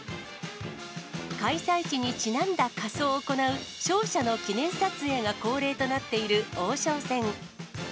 開催地にちなんだ仮装を行う、勝者の記念撮影が恒例となっている王将戦。